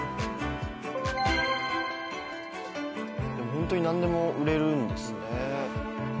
ホントになんでも売れるんですね。